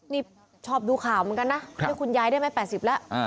นี่ชอบดูข่าวเหมือนกันนะให้คุณยายได้ไหม๘๐แล้ว